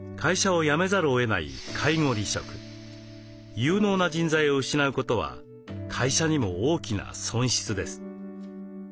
有能な人材を失うことは会社にも大きな損失です。